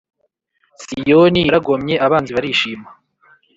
Siyoni yaragomye abanzi barishima